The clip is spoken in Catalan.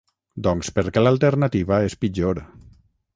Doncs perquè l’alternativa és pitjor.